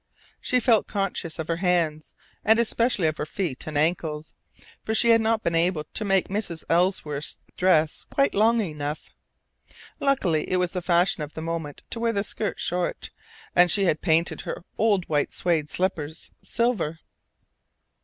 She felt conscious of her hands, and especially of her feet and ankles, for she had not been able to make Mrs. Ellsworth's dress quite long enough. Luckily it was the fashion of the moment to wear the skirt short, and she had painted her old white suede slippers silver.